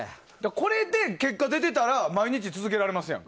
これで結果が出てたら毎日続けられますやん。